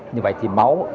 như vậy thì máu